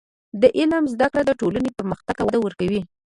د علم زده کړه د ټولنې پرمختګ ته وده ورکوي.